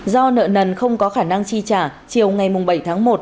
do nợ nần không có khả năng chi trả chiều ngày bảy tháng một